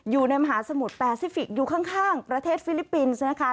อยู่ในมหาสมุทรแปซิฟิกอยู่ข้างประเทศฟิลิปปินส์นะคะ